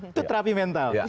itu terapi mental